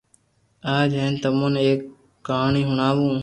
آج ھين تمو ني ايڪ ڪہاني ھڻاوو